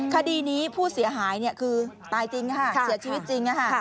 คดีนี้ผู้เสียหายคือตายจริงค่ะเสียชีวิตจริง